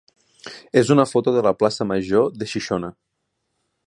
és una foto de la plaça major de Xixona.